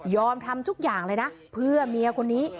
ทำทุกอย่างเลยนะเพื่อเมียคนนี้